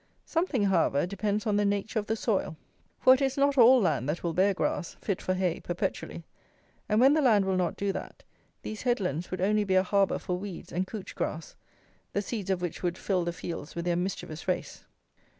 Something, however, depends on the nature of the soil: for it is not all land that will bear grass, fit for hay, perpetually; and, when the land will not do that, these headlands would only be a harbour for weeds and couch grass, the seeds of which would fill the fields with their mischievous race.